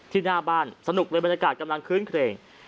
หน้าบ้านสนุกเลยบรรยากาศกำลังคื้นเครง